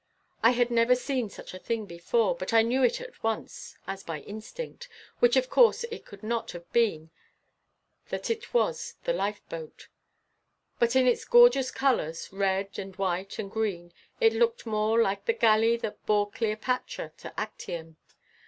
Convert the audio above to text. I had never seen such a thing before, but I knew at once, as by instinct, which of course it could not have been, that it was the life boat. But in its gorgeous colours, red and white and green, it looked more like the galley that bore Cleopatra to Actium.